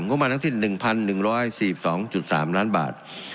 ประมาณทั้งที่๑๑๔๒๓ล้านบาท